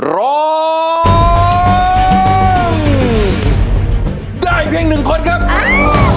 ร้องได้ให้ล้าน